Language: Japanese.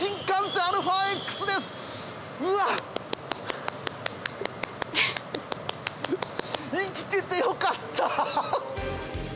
生きててよかった！